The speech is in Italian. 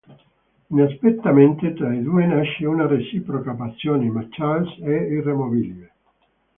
Inaspettatamente tra i due nasce una reciproca passione, ma Charles è irremovibile.